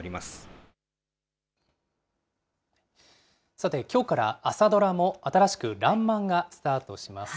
さて、きょうから朝ドラも新しく、らんまんがスタートします。